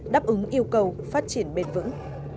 đáp ứng yêu cầu phát triển bền vững